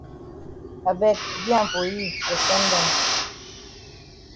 I beg gi am for yi for sun down.